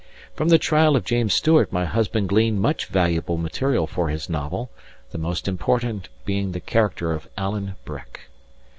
From the trial of James Stewart my husband gleaned much valuable material for his novel, the most important being the character of Alan Breck.